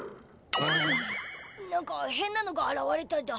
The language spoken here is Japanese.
何かへんなのがあらわれただ。